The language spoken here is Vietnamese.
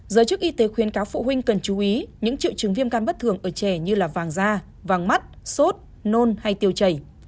giới chức y tế khuyến cáo phụ huynh cần chú ý những triệu chứng viêm can bất thường ở trẻ như vàng da vàng mắt sốt nôn hay tiêu chảy